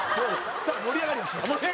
ただ盛り上がりはしました。